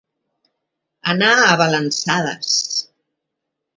Anar a balançades.